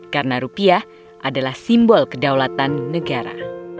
karena rupiah adalah simbol kedaulatan negara